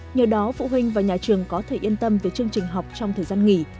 nhờ đó phụ huynh và nhà trường có thể yên tâm về chương trình học trong thời gian nghỉ